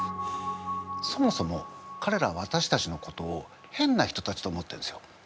そもそもかれらはわたしたちのことを変な人たちと思ってるんですよ。